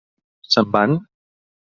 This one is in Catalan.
Se'n van.